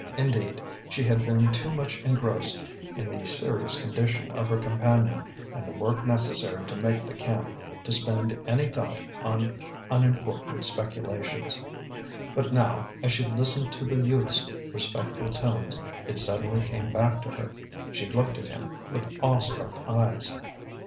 Indeed, she had been too much engrossed in the serious condition of her companion and the work necessary to make the camp, to spend any thought on unimportant speculations. But now, as she listened to the youth's respectful tones, it suddenly came back to her. She looked at him with awe struck eyes.